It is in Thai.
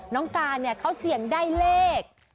น้องการเนี่ยเขาเสี่ยงได้เลข